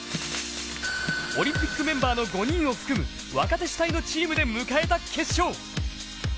オリンピックメンバーの５人を含む若手主体のチームで迎えた決勝。